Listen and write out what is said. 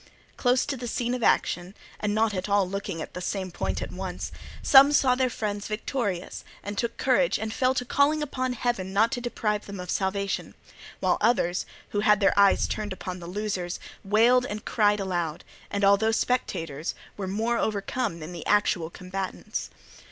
Close to the scene of action and not all looking at the same point at once, some saw their friends victorious and took courage and fell to calling upon heaven not to deprive them of salvation, while others who had their eyes turned upon the losers, wailed and cried aloud, and, although spectators, were more overcome than the actual combatants.